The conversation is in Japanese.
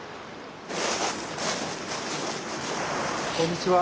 こんにちは。